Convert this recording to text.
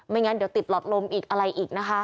งั้นเดี๋ยวติดหลอดลมอีกอะไรอีกนะคะ